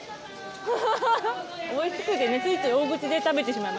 おいしくてね、ついつい大口で食べてしまうので。